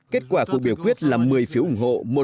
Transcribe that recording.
kết quả của biểu quyết là một mươi phiếu ủng hộ